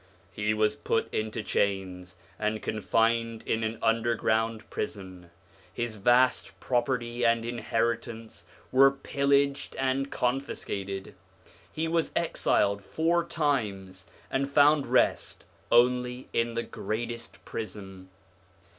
He was put into chains, and confined in an under ground prison. His vast property and inheritance were pillaged and confiscated. He was exiled four times, and found rest only in the 'Greatest Prison.'